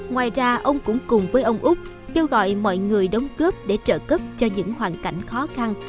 ngoài ra ông cũng cùng với ông úc kêu gọi mọi người đóng cướp để trợ cấp cho những hoàn cảnh khó khăn